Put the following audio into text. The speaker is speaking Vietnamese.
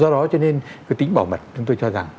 do đó cho nên cái tính bảo mật chúng tôi cho rằng